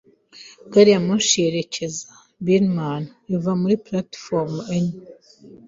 Gari ya moshi yerekeza Birmingham iva kuri platifomu enye.